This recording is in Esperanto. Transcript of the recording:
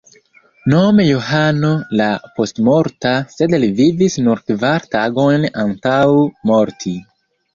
Nome Johano la Postmorta, sed li vivis nur kvar tagojn antaŭ morti.